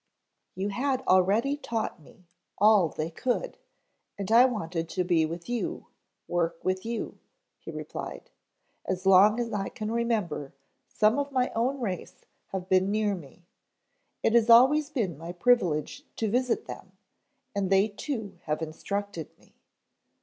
"You had already taught me all they could and I wanted to be with you, work with you," he replied. "As long as I can remember some of my own race have been near me. It has always been my privilege to visit them and they too have instructed me.